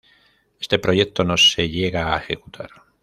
Este proyecto no se llega a ejecutar.